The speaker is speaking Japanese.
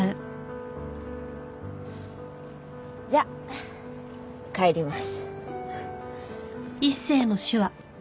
じゃあ帰ります。